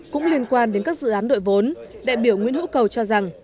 cũng liên quan đến các dự án đội vốn đại biểu nguyễn hữu cầu cho rằng